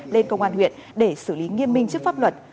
lên công an huyện để xử lý nghiêm minh trước pháp luật